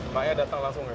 emaknya datang langsung ya